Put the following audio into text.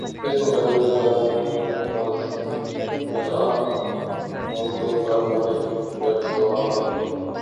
اس مقدمے کے چند مضمرات ہیں جن پر ہمیں یک سو ہونا ہے۔